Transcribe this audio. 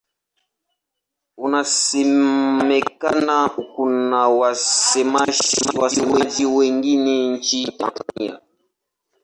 Inasemekana kuna wasemaji wengine nchini Tanzania.